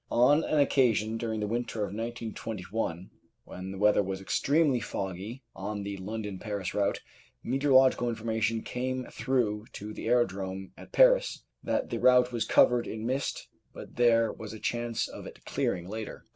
On an occasion during the winter of 1921 when the weather was extremely foggy on the London Paris route, meteorological information came through to the aerodrome at Paris that the route was covered in mist but there was a chance of it clearing later.